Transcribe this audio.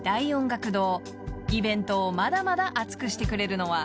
［イベントをまだまだ熱くしてくれるのは］